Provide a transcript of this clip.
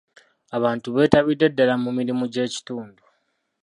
Abantu betabidde ddala mu mirimu gy'ekitundu.